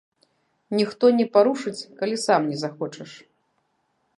Ніхто не парушыць, калі сам не захочаш.